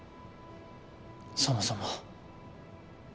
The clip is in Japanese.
そもそも。